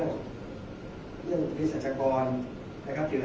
แต่ว่าไม่มีปรากฏว่าถ้าเกิดคนให้ยาที่๓๑